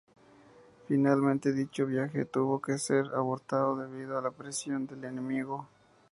Finalmente, dicho viaje tuvo que ser abortado debido a la presión del enemigo.